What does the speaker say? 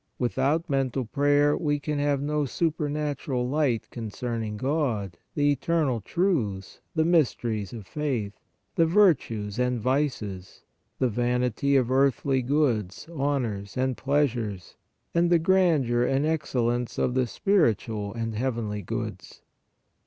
Without mental prayer we can have no supernatural light concern ing God, the eternal truths, the mysteries of faith, the virtues and vices, the vanity of earthly goods, 162 PRAYER honors and pleasures, and the grandeur and excel lence of the spiritual and heavenly goods.